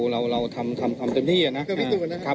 เราทำความเต็มที่นะครับ